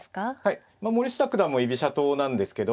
森下九段も居飛車党なんですけど。